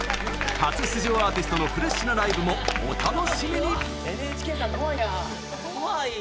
初出場アーティストのフレッシュなライブもお楽しみに。